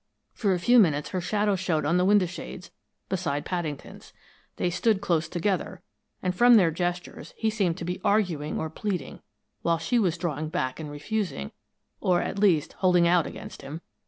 "For a few minutes her shadow showed on the window shades, beside Paddington's. They stood close together, and from their gestures, he seemed to be arguing or pleading, while she was drawing back and refusing, or at least, holding out against him.